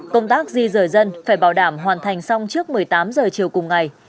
công tác di rời dân phải bảo đảm hoàn thành xong trước một mươi tám giờ chiều cùng ngày